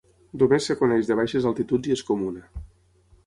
Només es coneix de baixes altituds i és comuna.